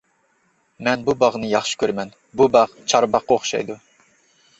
مەن بۇ باغنى ياخشى كۆرىمەن، بۇ باغ چارباغقا ئوخشايدۇ.